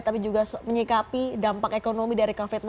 tapi juga menyikapi dampak ekonomi dari covid sembilan belas